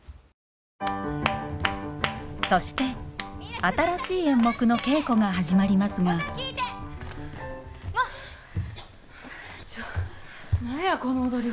そして新しい演目の稽古が始まりますがちょ何やこの踊りは。